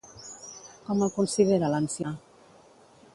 Com el considera l'ancià?